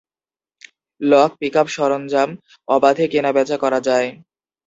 Lock pickup সরঞ্জাম অবাধে কেনা-বেচা করা যায়।